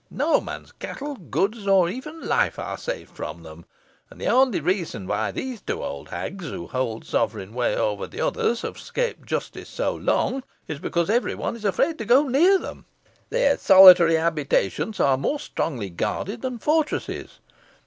No man's cattle, goods, nor even life, are safe from them; and the only reason why these two old hags, who hold sovereign sway over the others, have 'scaped justice so long, is because every one is afraid to go near them. Their solitary habitations are more strongly guarded than fortresses.